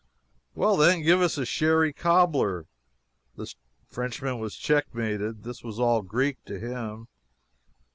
] "Well, then, give us a sherry cobbler." The Frenchman was checkmated. This was all Greek to him.